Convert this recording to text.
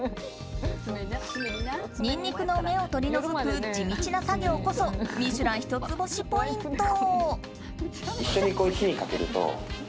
ニンニクの芽を取り除く地道な作業こそ「ミシュラン」一つ星ポイント。